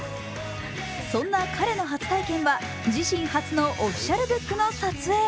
そんな彼の初体験は、自身初のオフィシャルブックの撮影。